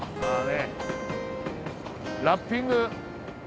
ラッピング。